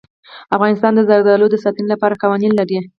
افغانستان د زردالو د ساتنې لپاره قوانین لري.